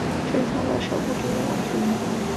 这也是他的首部主演网剧。